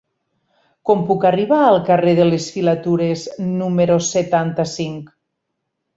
Com puc arribar al carrer de les Filatures número setanta-cinc?